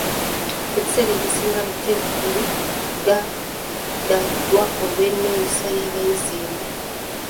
Ebiseera ebisinga, amatendekero gaggaddwa olw'enneeyisa y'abayizi embi.